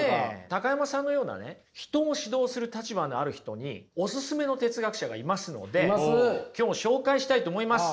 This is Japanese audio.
高山さんのような人を指導する立場にある人におすすめの哲学者がいますので今日紹介したいと思います。